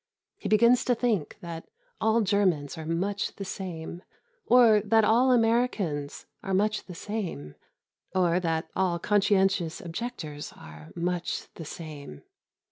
He begins to think that all Germans are much the same, or that all Americans are much the same, or that all Conscientious Objectors are much the same.